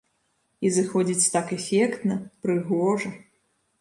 І зыходзіць так эфектна, прыгожа.